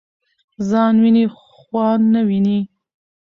ځان وینی خوان نه ويني .